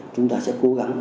chúng ta sẽ cố gắng